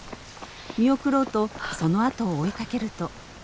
見送ろうとそのあとを追いかけると。